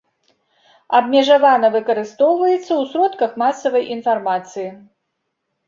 Абмежавана выкарыстоўваецца ў сродках масавай інфармацыі.